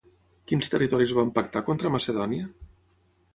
Quins territoris van pactar contra Macedònia?